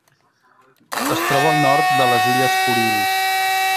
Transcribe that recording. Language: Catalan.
Es troba al nord de les Illes Kurils.